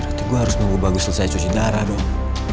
berarti gua harus mampu selesai cuci darah dong